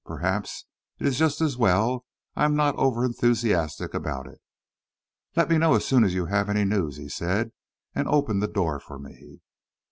"Perhaps it's just as well I'm not over enthusiastic about it." "Let me know as soon as you have any news," he said, and opened the door for me.